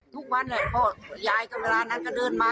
ทุกวันแหละพ่อยายก็เวลานั้นก็เดินมา